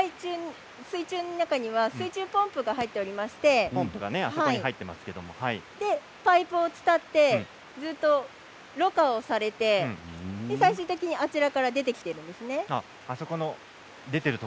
水中の中には水中ポンプが入っていましてパイプを伝ってずっとろ過をされて最終的にあちらから出てきているんです。